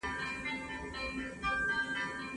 خپل جومات پاک وساتئ.